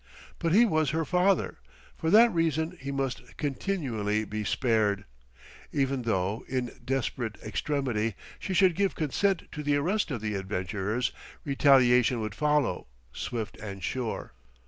But he was her father; for that reason he must continually be spared ... Even though, in desperate extremity, she should give consent to the arrest of the adventurers, retaliation would follow, swift and sure.